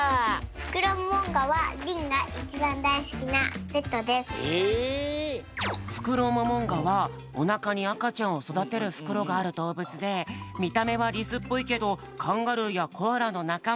フクロモモンガはりんがフクロモモンガはおなかにあかちゃんをそだてるふくろがあるどうぶつでみためはリスっぽいけどカンガルーやコアラのなかま。